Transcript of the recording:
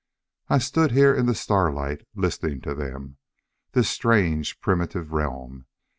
I stood here in the starlight, listening to them. This strange primitive realm.